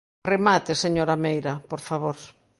Remate, señora Meira, por favor.